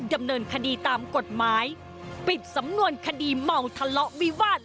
ดำเนินคดีตามกฎหมายปิดสำนวนคดีเมาทะเลาะวิวาส